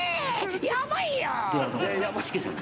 やばいよ！